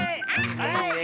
はい！